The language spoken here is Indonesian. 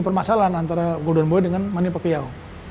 permasalahan antara the golden boy dengan manny pacuayo